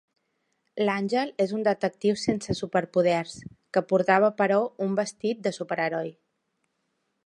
L'Àngel és un detectiu sense superpoders que portava, però, un vestit de superheroi.